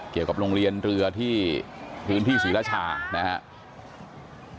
เกี่ยวกับโรงเรียนเรือที่พื้นที่ศรีราชานะครับ